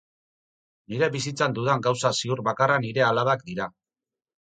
Nire bizitzan dudan gauza ziur bakarra nire alabak dira.